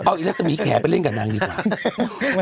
เอาอิเล็กสมีแขไปเล่นกับนางดีกว่า